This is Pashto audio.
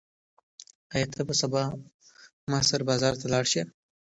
ایا ته به سبا ما سره بازار ته لاړ شې؟